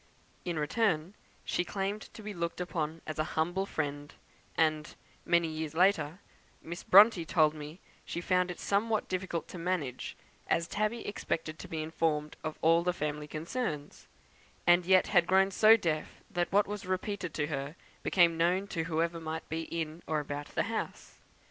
In return, she claimed to be looked upon as a humble friend; and, many years later, Miss Bronte told me that she found it somewhat difficult to manage, as Tabby expected to be informed of all the family concerns, and yet had grown so deaf that what was repeated to her became known to whoever might be in or about the house.